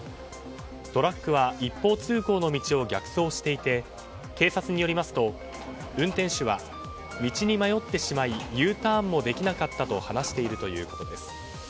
トラックは一方通行の道を逆走していて警察によりますと運転手は道に迷ってしまいＵターンもできなかったと話しているということです。